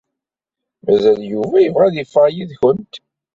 Mazal Yuba yebɣa ad iffeɣ yid-kent.